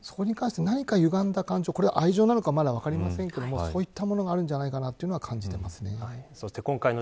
そこに関して何かゆがんだ感情愛情なのかはまだ分かりませんがそういったものがあるんじゃないかなと感じています。